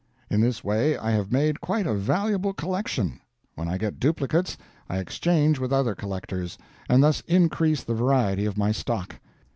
In this way I have made quite a valuable collection. When I get duplicates, I exchange with other collectors, and thus increase the variety of my stock.